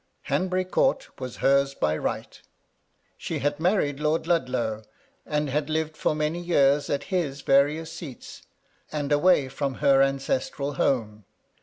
Han bury Court was hers by right. She had married Lord Ludlow, and had lived for many years at his various seats, and away from her ancestral home.